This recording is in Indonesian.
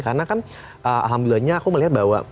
karena kan alhamdulillahnya aku melihat bahwa